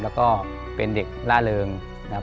แล้วก็เป็นเด็กล่าเริงนะครับ